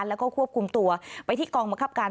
แล้วก็ควบคุมตัวไปที่กองบังคับการ